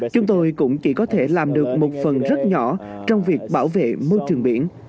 chúng tôi cũng chỉ có thể làm được một phần rất nhỏ trong việc bảo vệ môi trường biển